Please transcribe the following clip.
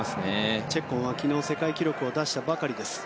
チェッコンは昨日世界記録を出したばかりです。